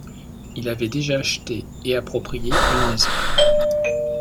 Il avait déjà acheté et approprié une maison.